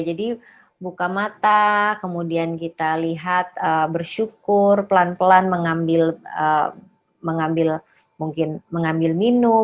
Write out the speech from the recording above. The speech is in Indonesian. jadi buka mata kemudian kita lihat bersyukur pelan pelan mengambil minum mengambil minum